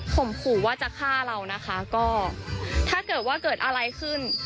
มขู่ว่าจะฆ่าเรานะคะก็ถ้าเกิดว่าเกิดอะไรขึ้น